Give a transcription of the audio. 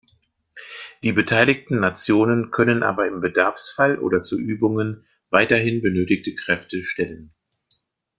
Die beteiligten Nationen können aber im Bedarfsfall oder zu Übungen weiterhin benötigte Kräfte stellen.